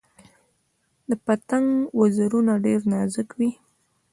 د پتنګ وزرونه ډیر نازک وي